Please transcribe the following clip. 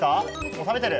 もう食べてる。